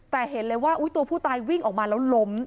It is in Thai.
แต่เห็นเลยว่าตัวผู้ตายวิ่งออกมาแล้วล้ม